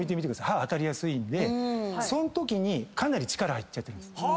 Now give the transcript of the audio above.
歯当たりやすいんでそんときにかなり力入っちゃってるんです。